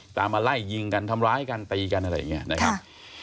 ตามมาไล่ยิงกันทำร้ายกันตีกันอะไรอย่างนี้